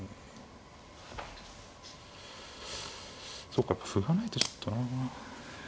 そうか歩がないとちょっとな。